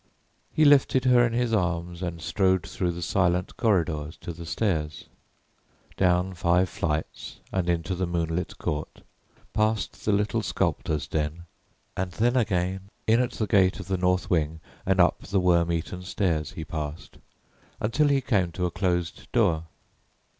He lifted her in his arms and strode through the silent corridors to the stairs. Down five flights and into the moonlit court, past the little sculptor's den, and then again in at the gate of the north wing and up the worm eaten stairs he passed, until he came to a closed door.